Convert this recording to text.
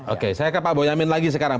oke saya ke pak boyamin lagi sekarang